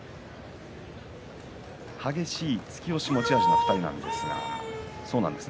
激しい突き押しが持ち味の２人ですが、そうなんですね